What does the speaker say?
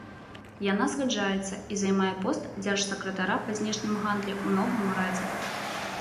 Яна згаджаецца і займае пост дзяржсакратара па знешнім гандлі ў новым урадзе.